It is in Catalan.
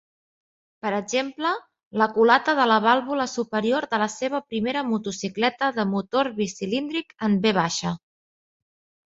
Per exemple, la culata de la vàlvula superior de la seva primera motocicleta de motor bicilíndric en V.